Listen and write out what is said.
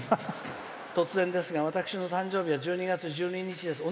突然ですが、私の誕生日は１２月１２日です。